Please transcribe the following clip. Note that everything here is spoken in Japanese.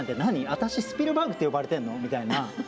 私、スピルバーグって呼ばれてんの？みたいな。